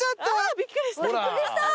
びっくりした！